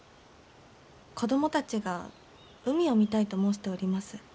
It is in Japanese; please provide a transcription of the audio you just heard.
子供たちが海を見たいと申しております。